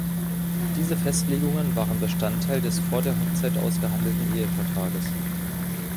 Diese Festlegungen waren Bestandteil des vor der Hochzeit ausgehandelten Ehevertrages.